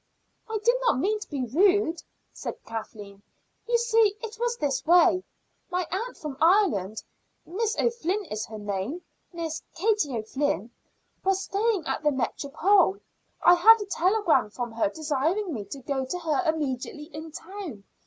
"I did not mean to be rude," said Kathleen. "You see, it was this way. My aunt from Ireland (Miss O'Flynn is her name Miss Katie O'Flynn) was staying at the Métropole. I had a telegram from her desiring me to go to her immediately in town.